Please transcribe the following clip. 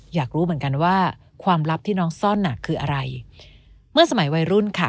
อยากรู้เหมือนกันว่าความลับที่น้องซ่อนน่ะคืออะไรเมื่อสมัยวัยรุ่นค่ะ